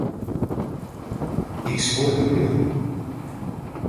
He explored the room.